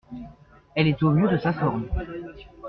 Elle était au mieux de sa forme.